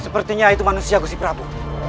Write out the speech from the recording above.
sepertinya itu manusia gusi prabu